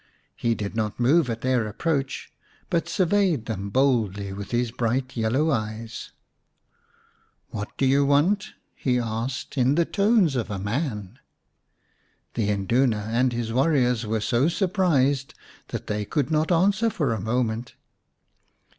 He did not move at their approach, but surveyed them boldly with his bright yellow eyes. " What do you want ?" he asked in the tones of a man. The Induna and his warriors were so surprised that they could not answer for a moment.